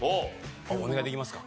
お願いできますか？